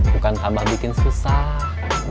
bukan tambah bikin susah